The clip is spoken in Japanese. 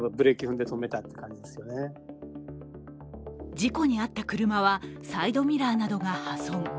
事故に遭った車は、サイドミラーなどが破損。